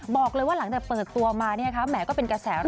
บอกเลยว่าหลังแต่เปิดตัวมาเนี่ยแหม่ก็เป็นกระแสร้วแรก